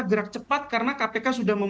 gerak cepat karena kpk sudah